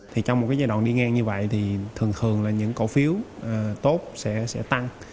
trong một giai đoạn đi ngang như vậy thì thường thường là những cổ phiếu tốt sẽ tăng